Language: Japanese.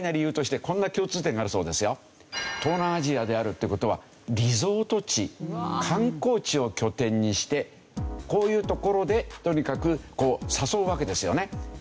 あるいはね東南アジアであるっていう事はリゾート地観光地を拠点にしてこういう所でとにかく誘うわけですよね。